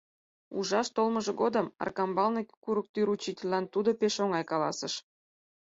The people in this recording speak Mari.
Ужаш толмыжо годым Аркамбалне Курыктӱр учительлан тудо пеш оҥай каласыш.